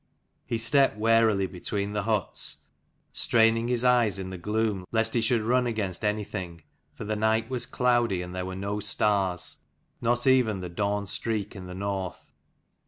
He stepped warily between the huts, straining his eyes in the gloom lest he should run against anything, for the night was cloudy and there were no stars, not even the dawn streak in the north.